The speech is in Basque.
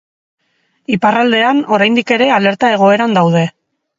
Iparraldean, oraindik ere, alerta egoeran daude.